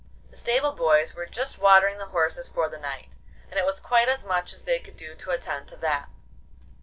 The stable boys were just watering the horses for the night, and it was quite as much as they could do to attend to that.